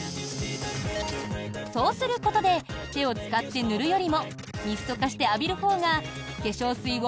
そうすることで手を使って塗るよりもミスト化して浴びるほうが化粧水を